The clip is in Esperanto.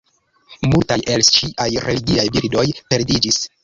Multaj el ŝiaj religiaj bildoj perdiĝis.